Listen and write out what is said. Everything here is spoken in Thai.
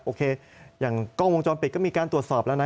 โอเคอย่างกล้องวงจรปิดก็มีการตรวจสอบแล้วนะ